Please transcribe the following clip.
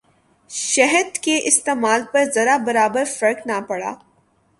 شہد کے استعمال پر ذرہ برابر فرق نہ پڑا۔